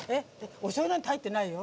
おしょうゆなんて入ってないよ。